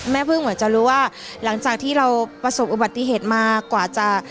เพิ่งเหมือนจะรู้ว่าหลังจากที่เราประสบอุบัติเหตุมากว่าจะ